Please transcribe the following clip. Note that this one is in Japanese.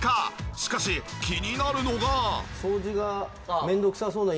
しかし気になるのが。